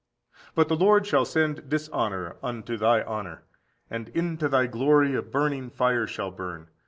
But the Lord shall send dishonour unto thy honour; and into thy glory a burning fire shall burn.